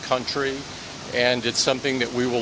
kami berbicara tentang keinginan presiden